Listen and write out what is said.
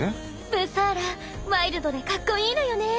ブサーラワイルドでかっこいいのよね。